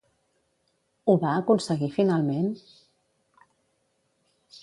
Ho va aconseguir finalment?